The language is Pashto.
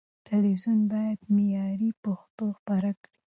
تلويزيون بايد معياري پښتو خپره کړي.